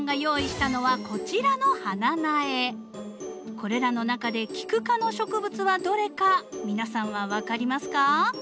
これらの中でキク科の植物はどれか皆さんは分かりますか？